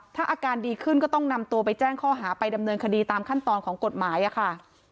ถ้าอาการดีขึ้นก็ต้องนำตัวไปแจ้งข้อหาไปดำเนินคดีตามขั้นตอนของกฎหมายค่ะ